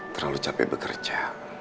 terlalu capek bekerja